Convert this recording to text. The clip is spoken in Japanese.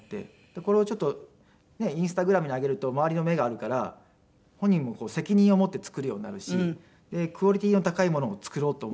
これをちょっとねえインスタグラムに上げると周りの目があるから本人も責任を持って作るようになるしクオリティーの高いものを作ろうと思うから。